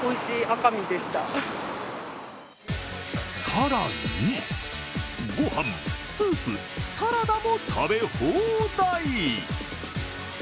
更に、ごはん、スープ、サラダも食べ放題。